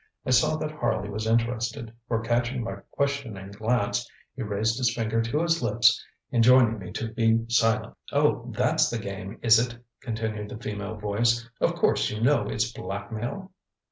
I saw that Harley was interested, for catching my questioning glance, he raised his finger to his lips enjoining me to be silent. ŌĆ£Oh, that's the game, is it? ŌĆØ continued the female voice. ŌĆ£Of course you know it's blackmail?